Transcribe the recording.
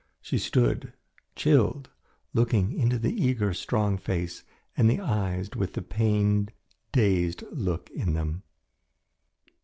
She stood, chilled, looking into the eager, strong face and the eyes with the pained, dazed look in them.